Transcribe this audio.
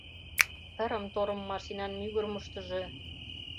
Тырым-торым машинан мӱгырымыштыжӧ